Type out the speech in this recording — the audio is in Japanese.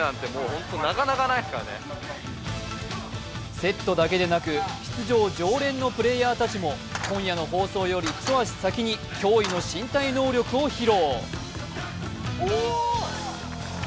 セットだけでなく、出場常連のプレーヤーたちも今夜の放送より一足先に驚異の身体能力を披露。